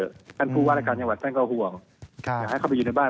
เพราะฉะนั้นผู้วาลักษณะชาญก็ห่วงอยากให้เข้าไปอยู่ในบ้าน